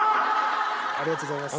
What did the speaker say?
ありがとうございます。